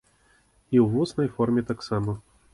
І ў вуснай форме таксама.